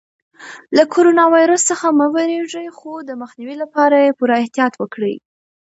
له کرونا ویروس څخه مه وېرېږئ خو د مخنیوي لپاره یې پوره احتیاط وکړئ.